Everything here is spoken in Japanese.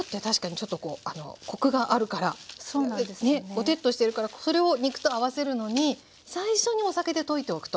ぼてっとしてるからそれを肉と合わせるのに最初にお酒で溶いておくと。